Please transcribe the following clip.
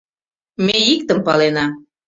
Ме иктым палена: